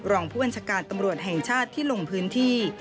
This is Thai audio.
รองผู้บัญชาการตำรวจแห่งชาติที่ลงพื้นที่